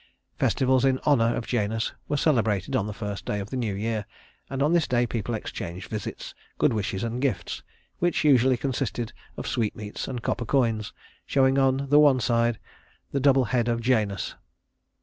Festivals in honor of Janus were celebrated on the first day of the new year, and on this day people exchanged visits, good wishes, and gifts, which usually consisted of sweetmeats and copper coins showing on one side the double head of Janus.